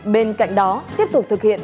bên cạnh đó tiếp tục thực hiện